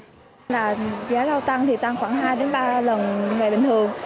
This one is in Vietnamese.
giá rau tăng tăng khoảng hai ba lần